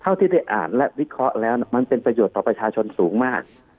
ที่ได้อ่านและวิเคราะห์แล้วมันเป็นประโยชน์ต่อประชาชนสูงมาก